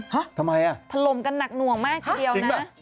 ฮะทำไมอ่ะถล่มกันหนักหน่วงมากทีเดียวนะ